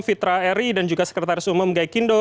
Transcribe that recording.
fitra eri dan juga sekretaris umum gai kindo